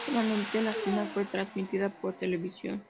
Solamente la final fue transmitida por televisión.